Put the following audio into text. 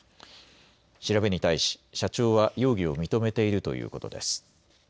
調べに対し社長は容疑を認めているということです。